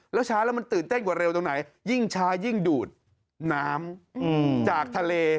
แล้วช้าแล้วมันตื่นเต้นกว่าเร็วตรงไหนยิ่งช้ายิ่งดูดน้ำจากทะเล